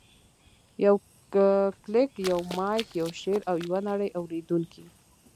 یو کلیک، یو مایک، یو شعر، او یوه نړۍ اورېدونکي.